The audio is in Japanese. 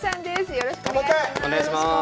よろしくお願いします。